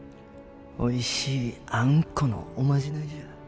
おいしいあんこのおまじないじゃ。